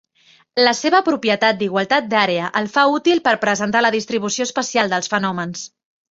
La seva propietat d'igualtat d'àrea el fa útil per presentar la distribució espacial dels fenòmens.